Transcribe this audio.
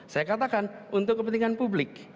saya katakan untuk kepentingan publik